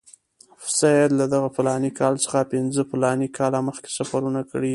سید له دغه فلاني کال څخه پنځه فلاني کاله مخکې سفرونه کړي.